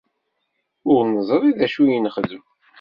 Ur neẓri ara d acu i nexdem.